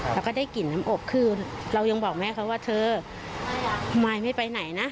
แล้วก็ได้กลิ่นน้ำอบคือเรายังบอกแม่เขาว่าเธอมายไม่ไปไหนนะ